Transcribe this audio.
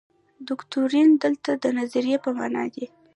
دوکتورین دلته د نظریې په معنا دی.